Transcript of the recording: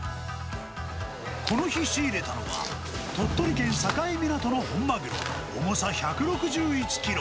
この日、仕入れたのは、鳥取県境港の本マグロ、重さ１６１キロ。